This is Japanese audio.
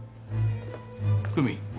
久美。